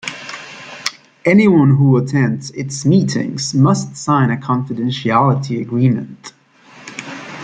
Anyone who attends its meetings must sign a confidentiality agreement.